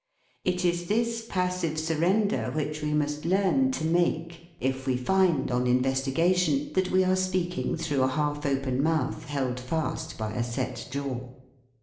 It is this passive surrender which we must learn to make, if we find, on investigation, that we are speaking through a half open mouth held fast by a set jaw.